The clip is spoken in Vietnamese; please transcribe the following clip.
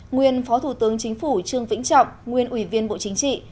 nguyên phó thủ tướng chính phủ trương vĩnh trọng nguyên ủy viên bộ chính trị